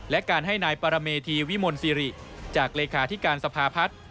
และการให้นายปรเมธีวิมลสิริจากเลขาธิการสภาพัฒน์